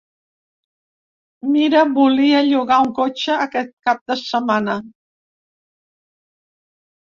Mira volia llogar un cotxe aquest cap de setmana.